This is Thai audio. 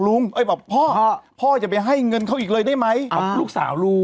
ลุงพ่อพ่อจะไปให้เงินเขาอีกเลยได้ไหมลูกสาวรู้